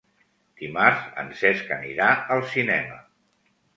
Dimarts en Cesc anirà al cinema.